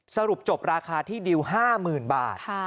สรุปจบราคาที่ดิว๕๐๐๐บาท